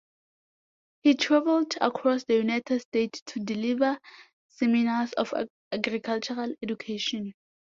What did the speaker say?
He traveled across the United States to deliver seminars on agricultural education.